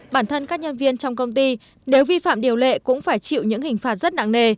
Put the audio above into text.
bản thân các nhân viên trong công ty nếu vi phạm điều lệ cũng phải chịu những hình phạt rất nặng nề